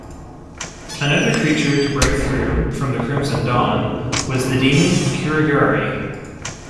Another creature to break through from the Crimson Dawn, was the demon Kuragari.